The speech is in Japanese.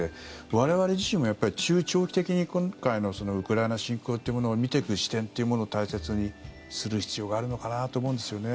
我々自身も中長期的に今回のウクライナ侵攻というのを見ていく視点というものを大切にする必要があるのかなと思うんですね。